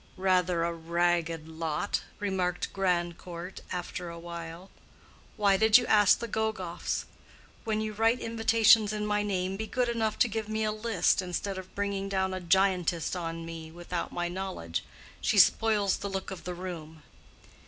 "Rather a ragged lot," remarked Grandcourt, after a while. "Why did you ask the Gogoffs? When you write invitations in my name, be good enough to give me a list, instead of bringing down a giantess on me without my knowledge. She spoils the look of the room."